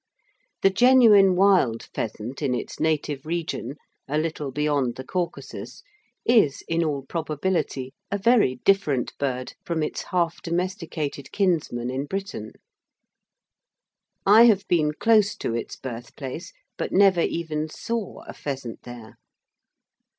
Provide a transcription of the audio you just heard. The genuine wild pheasant in its native region, a little beyond the Caucasus, is in all probability a very different bird from its half domesticated kinsman in Britain. I have been close to its birthplace, but never even saw a pheasant there.